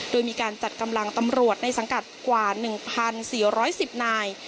โดยมีการจัดกำลังตำรวจในสังกัดกว่า๑๔๑๐นาย